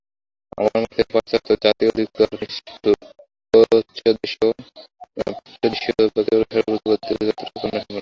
আমার মতে পাশ্চাত্য জাতি অধিকতর নিষ্ঠুর, প্রাচ্যদেশীয় ব্যক্তিগণ সর্বভূতের প্রতি অধিকতর করুণাসম্পন্ন।